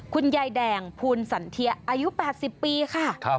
คุณยายแดงภูลสันเทียอายุ๘๐ปีค่ะ